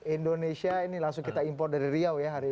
indonesia ini langsung kita impor dari riau ya hari ini